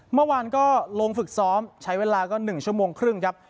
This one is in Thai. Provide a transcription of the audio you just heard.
เมื่อวานก็ลงฝึกซ้อมใช้เวลาก็๑ชั่วโมงครึ่งครับ